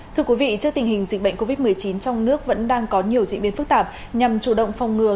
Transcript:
thưa quý vị trước tình hình dịch bệnh covid một mươi chín trong nước vẫn đang có nhiều diễn biến phức tạp nhằm chủ động phòng ngừa